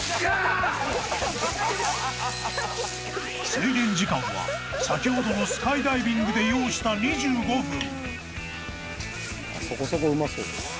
［制限時間は先ほどのスカイダイビングで要した２５分］